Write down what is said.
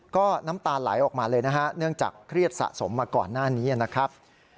ก็น้ำตาไหลออกมาเลยนะฮะเนื่องจากเครียดสะสมมาก่อนหน้านี้นะครับ